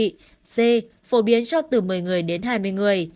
c phổ biến cho từ một mươi người đến hai mươi người